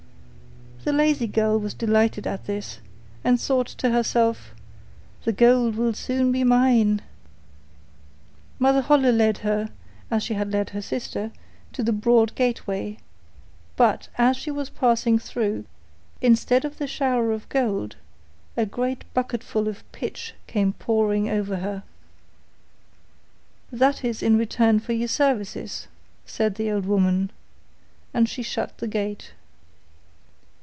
The lazy girl was delighted at this, and thought to herself, 'The gold will soon be mine.' Mother Holle led her, as she had led her sister, to the broad gateway; but as she was passing through, instead of the shower of gold, a great bucketful of pitch came pouring over her. 'That is in return for your services,' said the old woman, and she shut the gate.